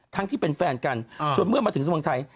ทั้งที่เป็นแฟนกันจนเมื่อมาถึงส่วนเวียงไทย